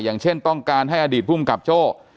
อย่างเช่นต้องการให้อดีตภูมิกับโจ้